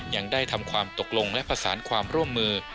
ยังได้ทำความตกลงและประสานความร่วมมือ